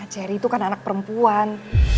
ceri itu kan anak perempuan